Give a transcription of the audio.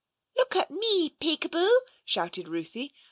" Look at me, Peekaboo !" shouted Ruthie.